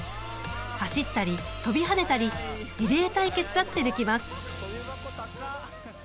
走ったり跳びはねたりリレー対決だってできます。